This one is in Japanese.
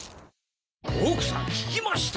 奥さん聞きました？